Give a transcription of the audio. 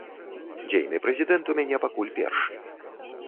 Дзейны прэзідэнт у мяне пакуль першы.